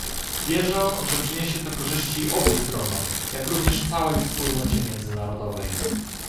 Wierzę, że przyniesie to korzyści obu stronom, jak również całej wspólnocie międzynarodowej